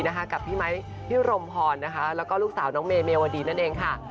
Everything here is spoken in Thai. กับพี่ไมค์พี่รมพรนะคะแล้วก็ลูกสาวน้องเมวดีนั่นเองค่ะ